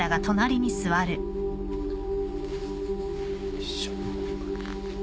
よいしょ。